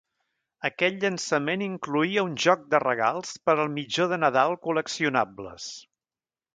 Aquest llançament incloïa un joc de regals per al mitjó de nadal col·leccionables.